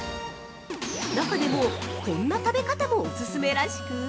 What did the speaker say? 中でも、こんな食べ方もオススメらしく。